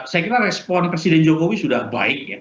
saya kira respon presiden jokowi sudah baik